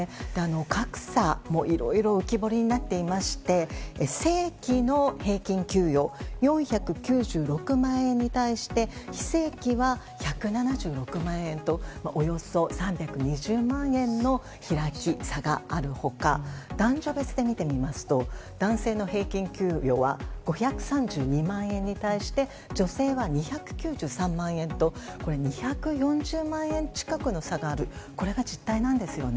格差も、いろいろ浮き彫りになっていまして正規の平均給与４９６万円に対して非正規は１７６万円とおよそ３２０万円の開き差がある他男女別で見てみますと男性の平均給与は５３２万円に対して女性は２９３万円と２４０万円近くの差がありこれが実態なんですよね。